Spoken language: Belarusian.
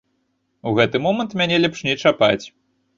У гэты момант мяне лепш не чапаць.